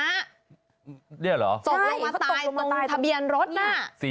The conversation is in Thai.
นี่เหรอตายมาตายตรงทะเบียนรถน่ะ